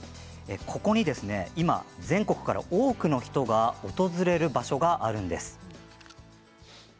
ここに今全国から多くの人が訪れる場所があるんです。